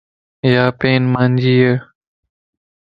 ايا پين مانجي ا